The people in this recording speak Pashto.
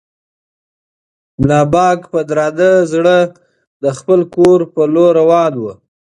ملا بانګ په درانه زړه د خپل کور په لور روان و.